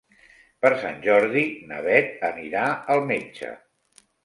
Per Sant Jordi na Bet anirà al metge.